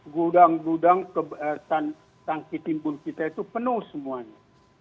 gudang gudang tangki timbul kita itu penuh semuanya